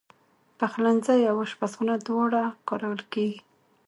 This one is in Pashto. پخلنځی او آشپزخانه دواړه کارول کېږي.